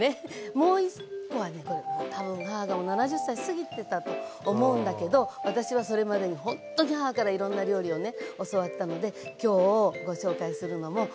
もう１個はねこれ多分母が７０歳すぎてたと思うんだけど私はそれまでにほんとに母からいろんな料理をね教わったので今日ご紹介するのも。